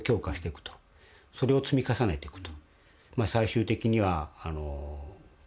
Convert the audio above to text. それを積み重ねていくと。